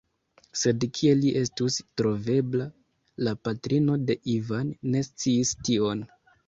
Sed kie li estus trovebla? La patrino de Ivan ne sciis tion.